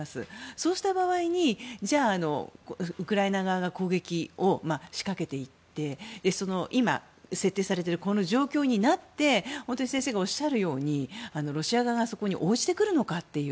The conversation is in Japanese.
そうした場合にじゃあ、ウクライナ側が攻撃を仕掛けていって今、設定されているこの状況になって先生がおっしゃるようにロシア側が応じてくるのかという。